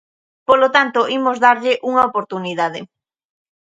Polo tanto, imos darlle unha oportunidade.